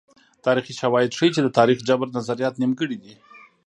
تاریخي شواهد ښيي چې د تاریخي جبر نظریات نیمګړي دي.